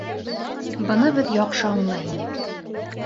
Быны беҙ яҡшы аңлай инек.